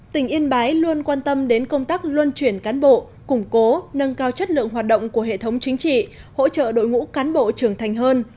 tỉnh yên bái luôn quan tâm đến công tác luân chuyển cán bộ củng cố nâng cao chất lượng hoạt động của hệ thống chính trị hỗ trợ đội ngũ cán bộ trưởng thành hơn